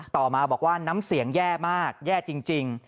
ต่อมาบอกว่าน้ำเสียงแย่มากแย่จริง